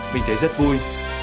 mình thấy rất vui